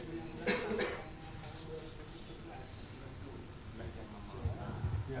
perizinan dan pengadaan